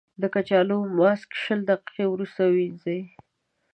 د کچالو ماسک شل دقیقې وروسته ووينځئ.